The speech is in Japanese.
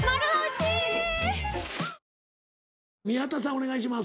お願いします。